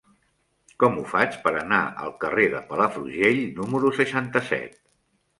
Com ho faig per anar al carrer de Palafrugell número seixanta-set?